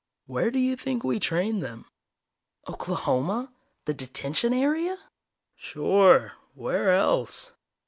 Where do you think we train them?" "Oklahoma? The Detention area?" "Sure. Where else?